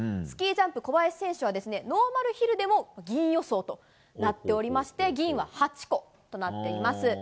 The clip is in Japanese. スキージャンプ、小林陵侑選手はノーマルヒルでも銀予想となっていて銀は８個となっています。